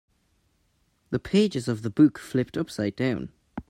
The pages of the book flipped upside down.